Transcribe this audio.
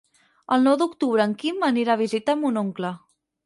El nou d'octubre en Quim anirà a visitar mon oncle.